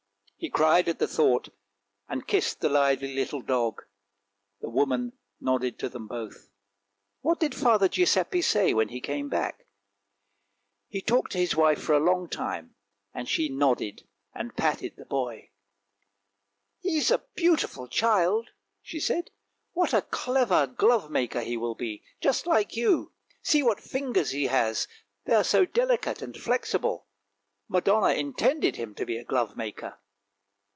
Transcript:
He cried at the thought, and kissed the lively little dog; the woman nodded to them both. What did Father Giuseppe say when he came back? He talked to his wife for a long time, and she nodded and patted the boy. 340 ANDERSEN'S FAIRY TALES "He's a beautiful child! " she said; " what a clever glove maker he will be, just like you; see what fingers he has, they're so delicate and flexible ! Madonna intended him to be a glove maker!